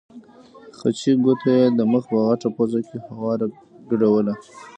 خچۍ ګوته یې د مخ په غټه پوزه کې هواره ګډوله.